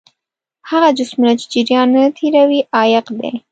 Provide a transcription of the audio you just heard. هغه جسمونه چې جریان نه تیروي عایق دي.